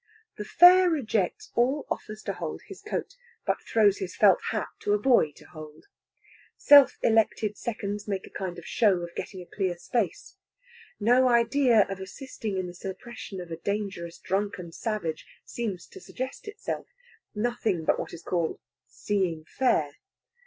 The fare rejects all offers to hold his coat, but throws his felt hat to a boy to hold. Self elected seconds make a kind of show of getting a clear space. No idea of assisting in the suppression of a dangerous drunken savage seems to suggest itself nothing but what is called "seeing fair."